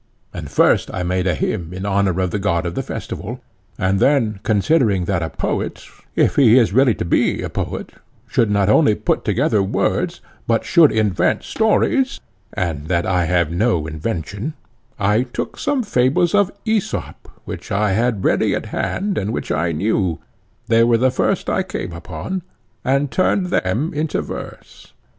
And first I made a hymn in honour of the god of the festival, and then considering that a poet, if he is really to be a poet, should not only put together words, but should invent stories, and that I have no invention, I took some fables of Aesop, which I had ready at hand and which I knew—they were the first I came upon—and turned them into verse.